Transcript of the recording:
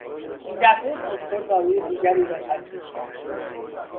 این دفعه دکتر داروی دیگری را تجویز کرد.